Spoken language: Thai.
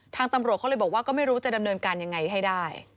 ตำรวจเขาเลยบอกว่าก็ไม่รู้จะดำเนินการยังไงให้ได้